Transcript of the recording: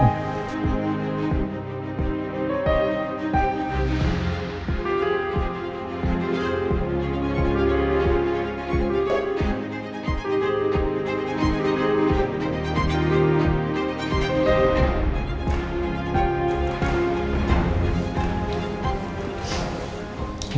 aku mau simpen